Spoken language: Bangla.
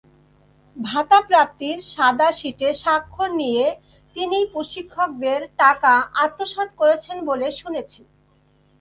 ভাতাপ্রাপ্তির সাদা শিটে স্বাক্ষর নিয়ে তিনি প্রশিক্ষকদের টাকা আত্মসাৎ করেছেন বলে শুনেছি।